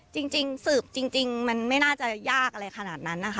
จริงสืบจริงมันไม่น่าจะยากอะไรขนาดนั้นนะคะ